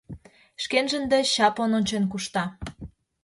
Шкенжын деч чаплын ончен кушта!